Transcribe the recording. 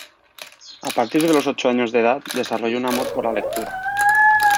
A partir de los ocho años de edad desarrolló un amor por la lectura.